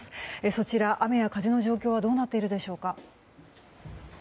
そちら、雨や風の様子はどうなっているでしょうか。